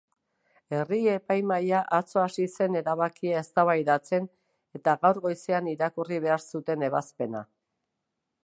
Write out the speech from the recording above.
Herri-epaimahaia atzo hasi zen erabakia eztabaidatzen eta gaur goizean irakurri behar zuen ebazpena.